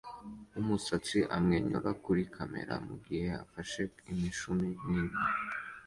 wumusatsi amwenyura kuri kamera mugihe afashe imishumi nini